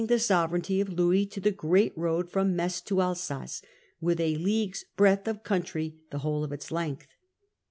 le sovereignty of Louis to the great road from Metz to Alsace, with a leagued breadth of country the whole of its length.